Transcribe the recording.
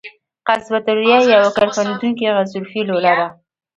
قصبة الریه یوه کرپندوکي غضروفي لوله ده.